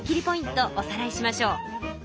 ポイントおさらいしましょう。